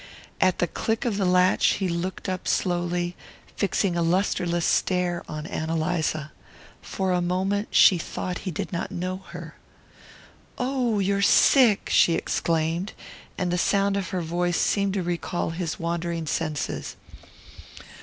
At the click of the latch he looked up slowly, fixing a lustreless stare on Ann Eliza. For a moment she thought he did not know her. "Oh, you're sick!" she exclaimed; and the sound of her voice seemed to recall his wandering senses.